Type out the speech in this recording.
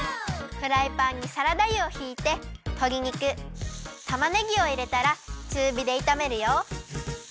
フライパンにサラダ油をひいてとり肉たまねぎをいれたらちゅうびでいためるよ。